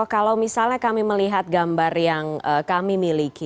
kalau misalnya kami melihat gambar yang kami miliki